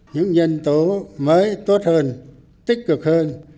những nhân tố mới tốt hơn tích cực hơn